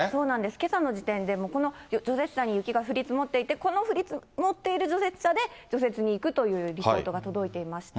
けさの時点でもう、この除雪車に雪が降り積もっていて、この降り積もっている除雪車で除雪に行くというリポートが届いていました。